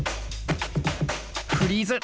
フリーズ。